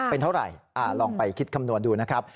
เป็นเท่าไหร่ลองไปคิดคำนวณดูนะครับ